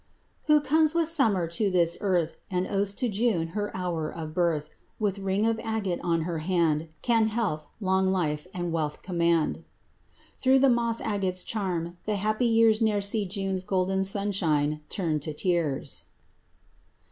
Who comes with summer to this earth, And owes to June her hour of birth, With ring of agate on her hand Can health, long life, and wealth command. Thro' the moss agate's charm, the happy years Ne'er see June's golden sunshine turn to tears.